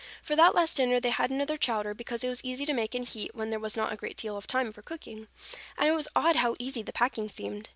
For that last dinner they had another chowder, because it was easy to make and to heat when there was not a great deal of time for cooking. And it was odd how easy the packing seemed.